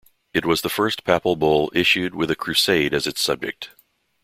It was the first papal bull issued with a crusade as its subject.